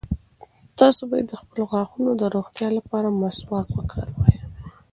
تاسي باید د خپلو غاښونو د روغتیا لپاره مسواک وکاروئ.